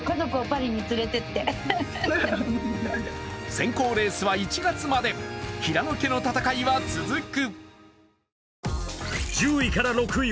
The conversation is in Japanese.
選考レースは１月まで平野家の戦いは続く。